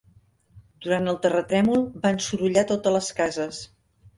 Durant el terratrèmol van sorollar totes les cases.